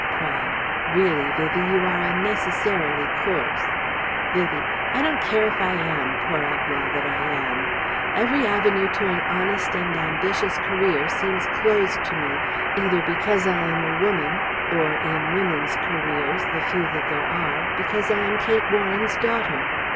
Praed: "Really, Vivie, you are unnecessarily coarse..." Vivie: "I don't care if I am, poor outlaw that I am! Every avenue to an honest and ambitious career seems closed to me, either because I am a woman or in women's careers the few that there are because I am Kate Warren's daughter.